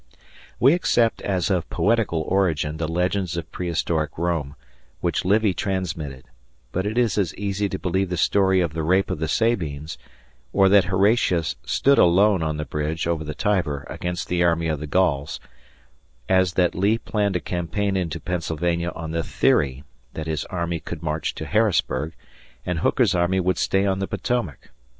We accept as of poetical origin the legends of prehistoric Rome, which Livy transmitted; but it is as easy to believe the story of the rape of the Sabines, or that Horatius stood alone on the bridge over the Tiber against the army of the Gauls, as that Lee planned a campaign into Pennsylvania on the theory that his army could march to Harrisburg and Hooker's army would stay on the Potomac.